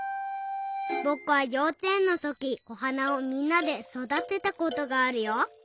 ぼくはようちえんのときおはなをみんなでそだてたことがあるよ。